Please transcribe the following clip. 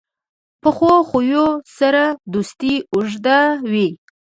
پخو خویو سره دوستي اوږده وي